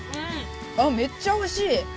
あめっちゃおいしい！